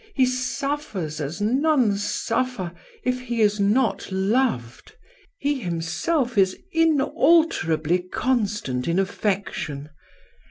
he suffers, as none suffer, if he is not loved. He himself is inalterably constant in affection."